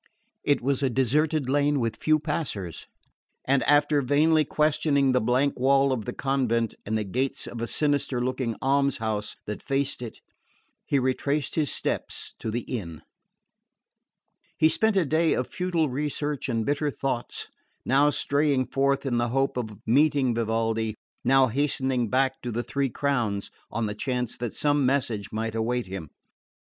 It was a deserted lane with few passers; and after vainly questioning the blank wall of the convent and the gates of a sinister looking alms house that faced it, he retraced his steps to the inn. He spent a day of futile research and bitter thoughts, now straying forth in the hope of meeting Vivaldi, now hastening back to the Three Crowns on the chance that some message might await him.